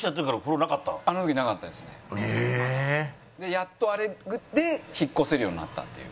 やっとあれで引っ越せるようになったっていう。